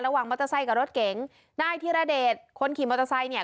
ระหว่างมอเตอร์ไซต์กับรถเก๋งได้ทีระเดศคนขี่มอเตอร์ไซต์เนี่ย